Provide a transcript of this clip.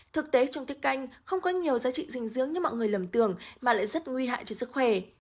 thực tế trong tiết canh không có nhiều giá trị dinh dưỡng như mọi người lầm tưởng mà lại rất nguy hại cho sức khỏe